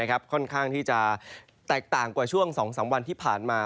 ค่อนข้างที่จะแตกต่างกว่าช่วง๒๓วันที่ผ่านมา